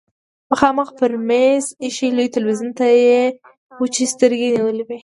مخامخ پر مېز ايښي لوی تلويزيون ته يې وچې سترګې نيولې وې.